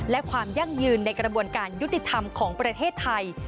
และความยั่งยืนในกระบวนการยุติธรรมของประเทศไทย